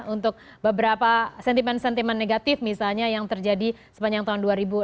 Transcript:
untuk beberapa sentimen sentimen negatif misalnya yang terjadi sepanjang tahun dua ribu enam belas